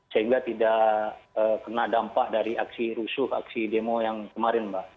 sehingga tidak kena dampak dari aksi rusuh aksi demo yang kemarin mbak